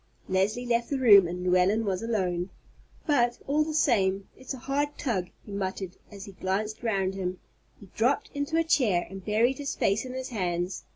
Leslie left the room, and Llewellyn was alone. "But, all the same, it's a hard tug," he muttered as he glanced round him. He dropped into a chair and buried his face in his hands.